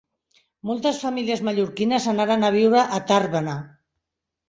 Moltes famílies mallorquines anaren a viure a Tàrbena.